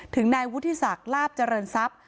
ถึงนายวุฒิศักดิ์ลาบเจริญทรัพย์